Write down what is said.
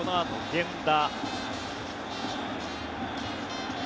源田。